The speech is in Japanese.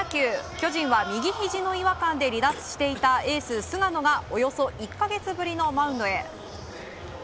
巨人は右ひじの違和感で離脱していたエース菅野がおよそ１か月ぶりのマウンドへ。